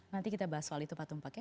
nanti kita bahas soal itu pak tumpang ya